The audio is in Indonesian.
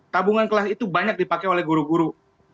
tabungan kelas itu banyak dipakai oleh guru guru